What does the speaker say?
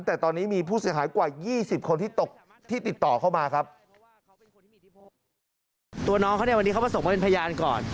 แต่ตอนนี้มีผู้เสียหายกว่า๒๐คนที่ติดต่อเข้ามา